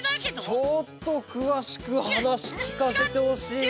ちょっとくわしくはなしきかせてほしいな。